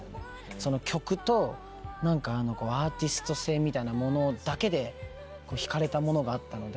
その曲とアーティスト性みたいなものだけで引かれたものがあったので。